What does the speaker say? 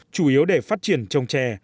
chủ yếu để phát triển trồng trè